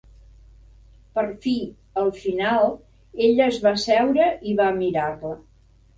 Per fi, al final, ella es va asseure i va mirar-la.